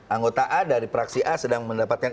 anggota a dari praksi a sedang mendapatkan